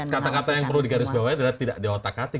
kata kata yang perlu digarisbawahnya adalah tidak diutak atik